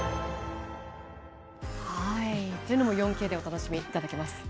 こういうのも４Ｋでお楽しみいただけます。